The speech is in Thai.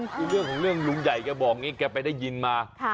คือเรื่องของเรื่องลุงใหญ่แกบอกอย่างนี้แกไปได้ยินมา